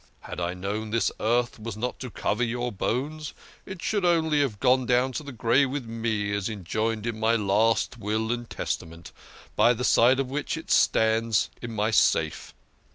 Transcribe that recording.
Had I known this earth was not to cover your bones, it should have gone down to the grave with me, as enjoined in my last will and testament, by the side of which it stands in my safe."